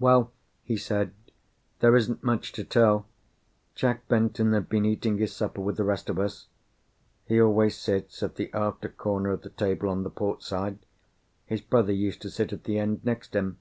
"Well," he said, "there isn't much to tell. Jack Benton had been eating his supper with the rest of us. He always sits at the after corner of the table, on the port side. His brother used to sit at the end, next him.